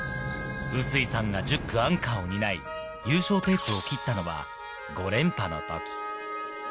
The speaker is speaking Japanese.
碓井さんが１０区、アンカーを担い、優勝テープを切ったのは５連覇の時。